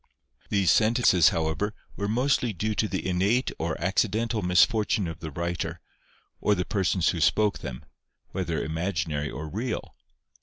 These sentences, however, were mostly due to the innate or accidental misfortune of the writer, or the persons who spoke them, whether imaginary or real.